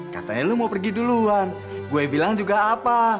katanya lu mau pergi duluan gue bilang juga apa